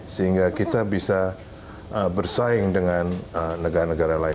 sehingga kita bisa bersaing dengan negara negara lain